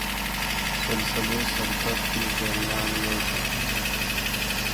سلسلې سرکټ کې جریان یو شان وي.